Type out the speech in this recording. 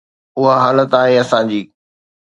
اها حالت آهي اسان جي.